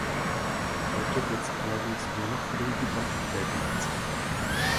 Heute wird sie allerdings nur noch für den Güterverkehr genutzt.